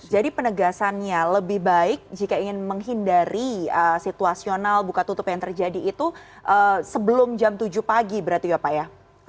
jadi penegasannya lebih baik jika ingin menghindari situasional buka tutup yang terjadi itu sebelum jam tujuh pagi berarti ya pak ya